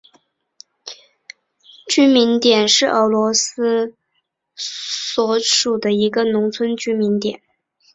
季米里亚泽沃农村居民点是俄罗斯联邦沃罗涅日州新乌斯曼区所属的一个农村居民点。